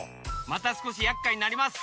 またすこしやっかいになります。